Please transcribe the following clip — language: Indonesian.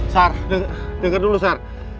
sarah denger dulu sarah